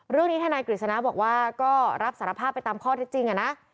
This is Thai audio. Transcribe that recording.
เรื่องนี้ธนายกฤษณาบอกว่าก็รับสารภาพไปตามข้อเท็จจริงนะ